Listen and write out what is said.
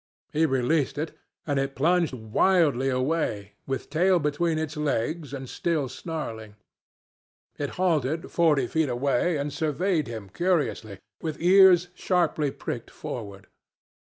He released it, and it plunged wildly away, with tail between its legs, and still snarling. It halted forty feet away and surveyed him curiously, with ears sharply pricked forward.